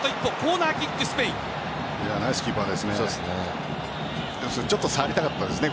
ナイスキーパーですね。